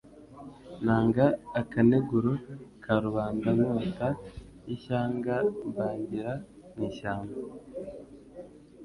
Nanga akaneguro ka rubandaNkota y' ishyanga mbangira mu ishyamba.